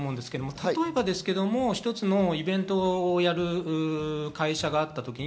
例えば一つのイベントをやる会社があった時に、